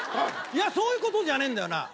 そういうことじゃねえんだよな。